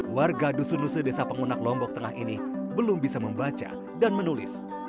warga dusun nuse desa pengunak lombok tengah ini belum bisa membaca dan menulis